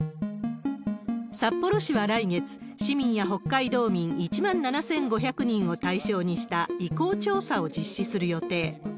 札幌市は来月、市民や北海道民１万７５００人を対象にした意向調査を実施する予定。